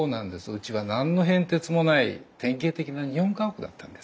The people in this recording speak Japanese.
うちは何の変哲もない典型的な日本家屋だったんですよ。